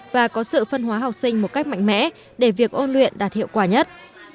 và có sự phân hóa học sinh một cách mạnh mẽ để việc ôn luyện đạt hiệu quả nhất